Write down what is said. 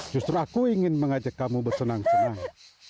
justru aku ingin mengajak kamu bersenang senang